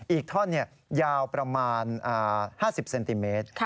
อีกท่อนยาวประมาณ๕๐เซนติเมตร